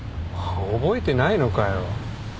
覚えてないのかよ。